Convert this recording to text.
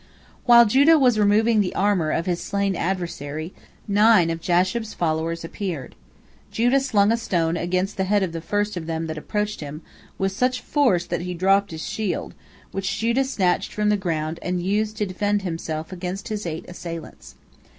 While Judah was removing the armor of his slain adversary, nine of Jashub's followers appeared. Judah slung a stone against the head of the first of them that approached him, with such force that he dropped his shield, which Judah snatched from the ground and used to defend himself against his eight assailants.